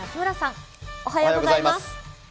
おはようございます。